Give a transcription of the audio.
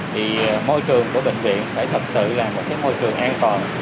thì môi trường của bệnh viện phải thật sự là một môi trường an toàn